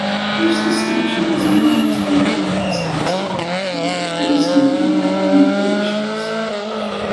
This distinction is known to be very unscientific, but it is convenient in operations.